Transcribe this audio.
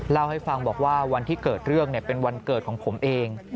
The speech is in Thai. เล่าให้ฟังบอกว่าวันที่เกิดเรื่องเป็นวันเกิดของผมเอง